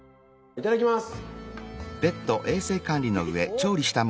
いただきます。